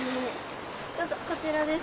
どうぞこちらです。